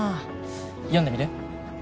読んでみる？